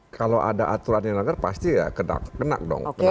kalau ada aturan yang dilanggar pasti ya kena dong